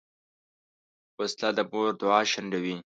وسله د مور دعا شنډوي